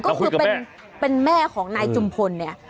ก็คือเป็นแม่ของนายจุมพลเนี่ย